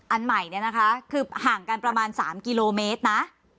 อันใหม่เนี่ยนะคะคือห่างกันประมาณ๓กิโลเมตรนะ